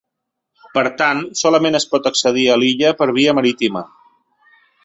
Per tant, solament es pot accedir a l’illa per via marítima.